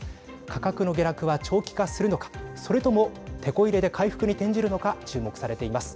価格の下落は長期化するのか、それともてこ入れで回復に転じるのか注目されています。